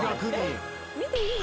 「見ていいの？」